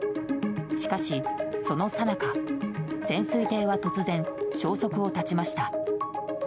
しかし、そのさなか潜水艇は突然消息を絶ちました。